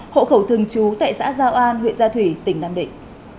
hộ khẩu thường trú tại xã giao an huyện gia thủy tỉnh nam định